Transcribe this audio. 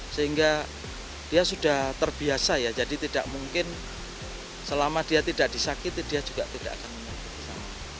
sehingga dia sudah terbiasa ya jadi tidak mungkin selama dia tidak disakiti dia juga tidak akan menyakiti